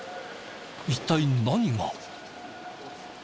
一体何が？